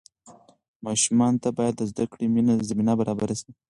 ماشومانو ته باید د زده کړې زمینه برابره سي.